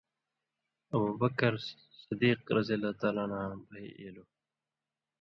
ابوبکرؓصدیقاں بھئ اِیلو۔